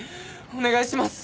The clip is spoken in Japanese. お願いします！